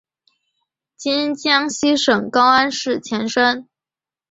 今江西省高安市前身。